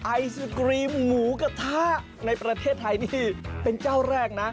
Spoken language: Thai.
ไอศกรีมหมูกระทะในประเทศไทยนี่เป็นเจ้าแรกนะ